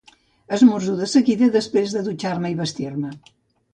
Esmorzo de seguida, després de dutxar-me i vestir-me.